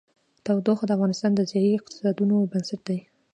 تودوخه د افغانستان د ځایي اقتصادونو بنسټ دی.